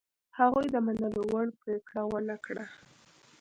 هغوی د منلو وړ پرېکړه ونه کړه.